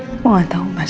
aku gak tau mas